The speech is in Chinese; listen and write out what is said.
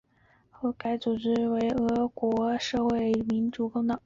该组织后来演变为俄国社会民主工党。